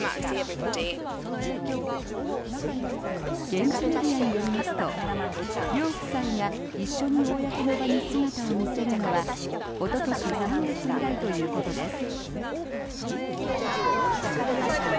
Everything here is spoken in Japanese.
現地メディアによりますと両夫妻が一緒に公の場に姿を見せるのはおととし３月以来ということです。